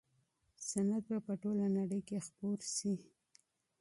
صنعت به په ټوله نړۍ کي خپور سي.